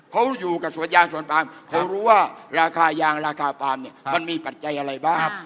เขาอยู่กับสวนยางสวนปามเขารู้ว่าราคายางราคาปาล์มเนี่ยมันมีปัจจัยอะไรบ้าง